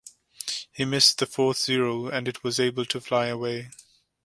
He missed the fourth Zero and it was able to fly away.